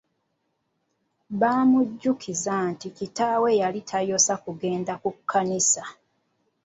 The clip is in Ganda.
Baamujjukiza nti kitaawe yali tayosa kugenda ku kkanisa.